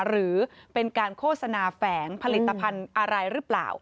หรือเป็นการโฆษณาแฝงผลิตภัณฑ์อะไรหรือเปล่า